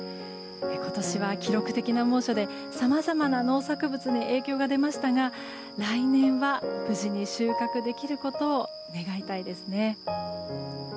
今年は記録的な猛暑でさまざまな農作物に影響が出ましたが来年は無事に収穫できることを願いたいですね。